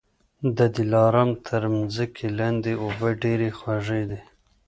د دلارام تر مځکې لاندي اوبه ډېري خوږې دي